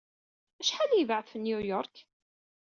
Acḥal ay yebɛed ɣef New York?